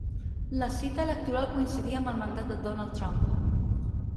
La cita electoral coincidí amb el mandat de Donald Trump.